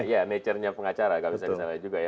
iya iya iya nature nya pengacara gak bisa disalahin juga ya